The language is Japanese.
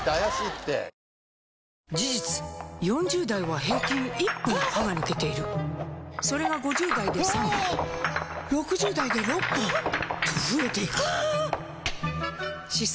事実４０代は平均１本歯が抜けているそれが５０代で３本６０代で６本と増えていく歯槽